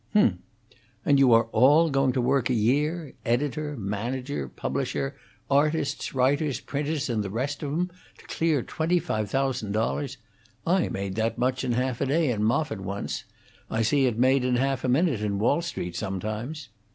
"Humph! And you are all going to work a year editor, manager, publisher, artists, writers, printers, and the rest of 'em to clear twenty five thousand dollars? I made that much in half a day in Moffitt once. I see it made in half a minute in Wall Street, sometimes."